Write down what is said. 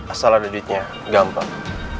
asal ada duitnya gampang